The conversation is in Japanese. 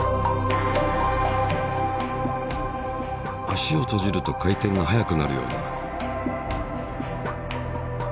足を閉じると回転が速くなるようだ。